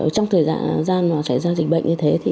trong thời gian trải giao dịch bệnh